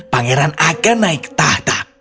pangeran akan naik tahta